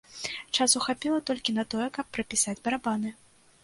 Часу хапіла толькі на тое, каб прапісаць барабаны.